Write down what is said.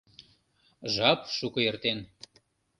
Жап шуко эртен.